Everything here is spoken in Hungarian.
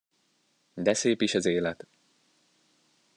De szép is az élet!